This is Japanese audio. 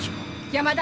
山田